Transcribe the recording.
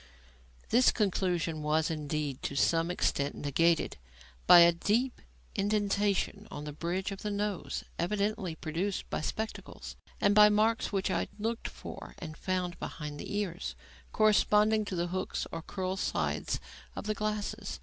This conclusion was, indeed, to some extent negatived by a deep indentation on the bridge of the nose, evidently produced by spectacles, and by marks which I looked for and found behind the ears, corresponding to the hooks or "curl sides" of the glasses.